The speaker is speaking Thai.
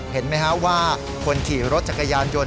เห็นไหมฮะว่าคนขี่รถจักรยานยนต์